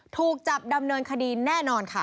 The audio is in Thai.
ถูกจับดำเนินคดีแน่นอนค่ะ